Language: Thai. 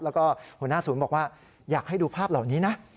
แล้วก็หัวหน้าศูนย์บอกว่าอยากให้ดูภาพเหล่านี้นะ